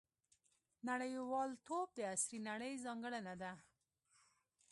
• نړیوالتوب د عصري نړۍ ځانګړنه ده.